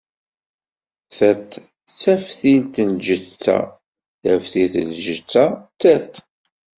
Tiṭ d taftilt n lǧetta, taftilt n lǧetta d tiṭ.